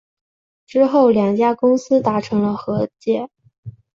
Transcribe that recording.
之后两家公司达成了和解。